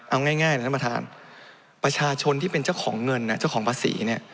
เอาง่ายนะท่านประธานประชาชนที่เป็นเจ้าของเงินเจ้าของภาษีเนี่ย